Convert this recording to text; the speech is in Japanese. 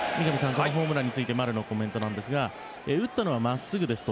このホームランについて丸のコメントなんですが打ったのは真っすぐですと。